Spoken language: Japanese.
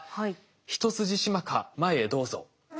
ヒトスジシマカ前へどうぞ。